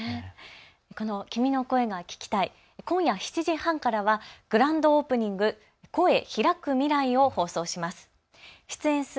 この君の声が聴きたい、今夜７時半からはグランドオープニング、声、ひらく未来を放送します。